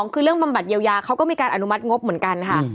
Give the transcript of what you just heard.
คือเรื่องบำบัดเยียวยาเขาก็มีการอนุมัติงบเหมือนกันค่ะ